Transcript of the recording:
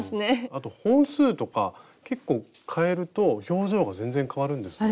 あと本数とか結構変えると表情が全然変わるんですね。